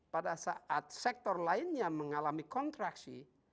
pada saat sektor lainnya mengalami kontraksi